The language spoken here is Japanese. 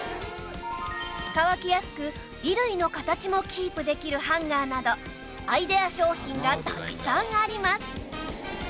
乾きやすく衣類の形もキープできるハンガーなどアイデア商品がたくさんあります